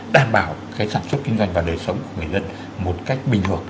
đảm bảo sản xuất kinh doanh và đời sống của người dân một cách bình thường